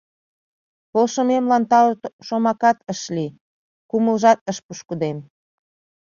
Полшымемлан тау шомакат ыш лий, кумылжат ыш пушкыдем.